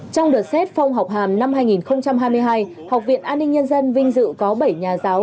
trong đợt xét phong học hàm năm hai nghìn hai mươi hai học viện an ninh nhân dân vinh dự có bảy nhà giáo